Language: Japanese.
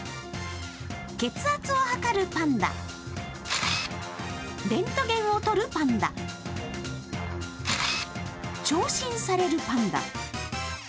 血圧を測るパンダレントゲンを撮るパンダ聴診されるパンダ。